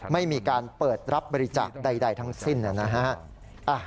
ไม่มีการเปิดรับบริจาคใดทั้งสิ้นนะฮะ